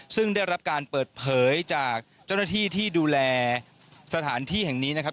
ซึ่งได้รับการเปิดเผยจากเจ้าหน้าที่ที่ดูแลสถานที่แห่งนี้นะครับ